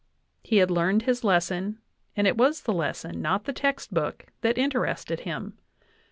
He had learned his lesson, and it was the lesson, not the text book, that interested him.